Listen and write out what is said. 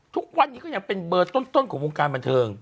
ทุกวันนี้ก็ยังเป็นเบอร์ต้นของวงการบันเทิง